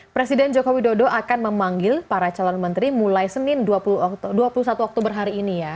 presiden jokowi dodo akan memanggil para calon menteri mulai senin dua puluh satu oktober hari ini ya